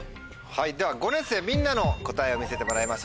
では５年生みんなの答えを見せてもらいましょう。